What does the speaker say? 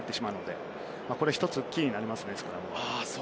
これは１つキーになりますね。